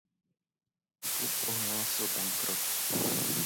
Klub ohlásil bankrot.